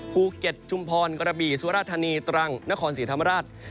ภูเก็ตชุมพรกระบีสวรรฐณีตรังนครศิษย์ธรรมราช